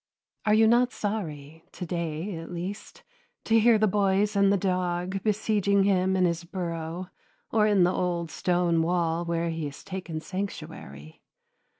Are you not sorry, to day at least, to hear the boys and the dog besieging him in his burrow or in the old stone wall wherein he has taken sanctuary?